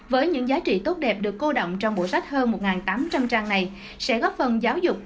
với những giá trị tốt đẹp được cô động trong bộ sách hơn một tám trăm linh trang này sẽ góp phần giáo dục